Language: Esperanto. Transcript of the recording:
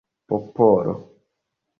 popolo